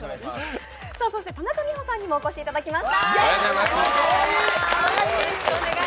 田中美保さんにもお越しいただきました。